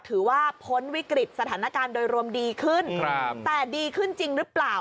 พ้นวิกฤตสถานการณ์โดยรวมดีขึ้นแต่ดีขึ้นจริงหรือเปล่า